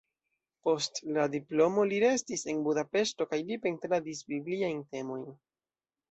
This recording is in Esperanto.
Post la diplomo li restis en Budapeŝto kaj li pentradis bibliajn temojn.